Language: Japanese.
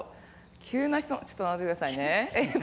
急な質問、ちょっと待ってくださいね。